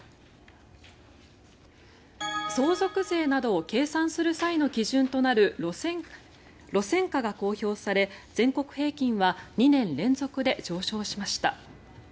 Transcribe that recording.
相続税などを計算する際の基準となる路線価が公表され、全国平均は２年連続で上昇しました。